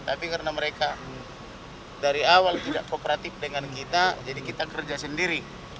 tapi karena mereka dari awal tidak kooperatif dengan kita jadi kita kerja sendiri